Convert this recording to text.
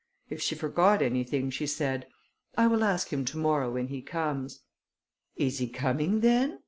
If she forgot anything, she said, "I will ask him to morrow when he comes." "Is he coming, then?"